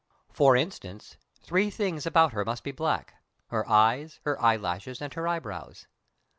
For instance, three things about her must be black, her eyes, her eyelashes, and her eyebrows.